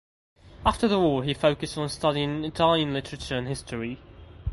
After the war he focused on studying Italian literature and history.